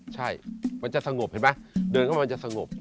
ใช่มันจะสงบเห็นไหมเดินเข้ามามันจะสงบ